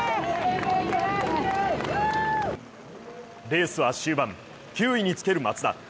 レースは終盤、９位につける松田。